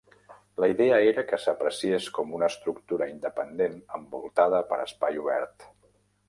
La idea era que s'apreciés com una estructura independent envoltada per espai obert.